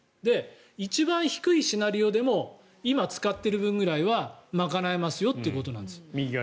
一番低いシナリオでも今使っている分ぐらいは賄えますよということなんです。